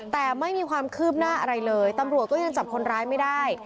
แต่ไม่มีความคืบหน้าอะไรเลยตำรวจก็ยังจับคนร้ายไม่ได้